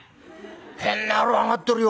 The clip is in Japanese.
変な野郎上がってるよ。